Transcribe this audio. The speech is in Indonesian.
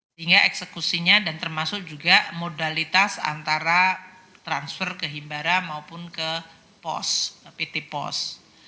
sehingga eksekusinya dan termasuk juga modalitas antara transfer ke himbara maupun ke pos pt pos